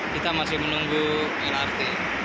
kita masih menunggu lrt